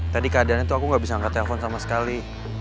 tadi keadaannya tuh aku gak bisa nggak telepon sama sekali